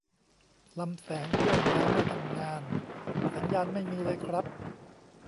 ลำแสงเคลื่อนย้ายไม่ทำงาน สัญญาณไม่มีเลยครับ